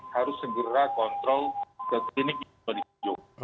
harus segera kontrol dan klinik itu harus disinjau